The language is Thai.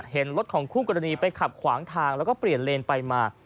เห็นรถของคู่กรณีไปขับขวางทางแล้วก็เปลี่ยนเลนไปมา